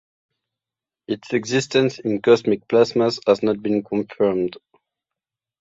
Its existence in cosmic plasmas has not been confirmed.